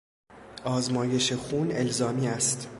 آزمایش خون الزامی است.